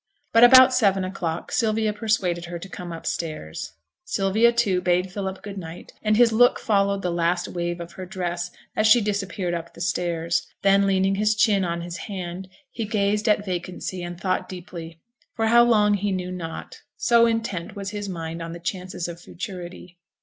But about seven o'clock Sylvia persuaded her to come upstairs. Sylvia, too, bade Philip good night, and his look followed the last wave of her dress as she disappeared up the stairs; then leaning his chin on his hand, he gazed at vacancy and thought deeply for how long he knew not, so intent was his mind on the chances of futurity.